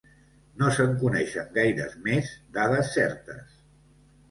No se'n coneixen gaires més dades certes.